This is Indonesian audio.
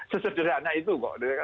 sesederhana itu kok